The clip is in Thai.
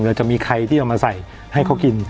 เราจะมีใครที่เอามาใส่ให้เขากิน